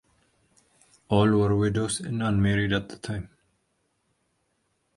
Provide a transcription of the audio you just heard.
All were widows and unmarried at the time.